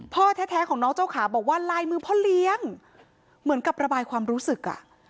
พ่อแท้ของน้องเจ้าขาบอกว่าลายมือพ่อเลี้ยงเหมือนกับระบายความรู้สึกอ่ะ